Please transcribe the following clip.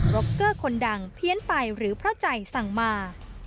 ร็อกเกอร์คนดังเพี้ยนไปหรือเพราะใจสั่งมา